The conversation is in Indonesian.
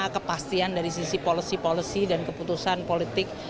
kepastian dari sisi policy policy dan keputusan politik